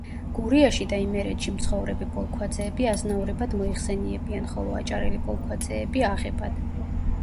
გურიაში და იმერეთში მცხოვრები ბოლქვაძეები აზნაურებად მოიხსენიებიან, ხოლო აჭარელი ბოლქვაძეები აღებად.